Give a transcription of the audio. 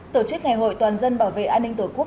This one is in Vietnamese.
tổ chức ngày hội toàn dân bảo vệ an ninh tổ quốc